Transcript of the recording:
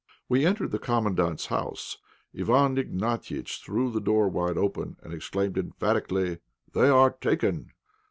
We entered the Commandant's house. Iwán Ignatiitch threw the door wide open, and exclaimed, emphatically "They are taken!"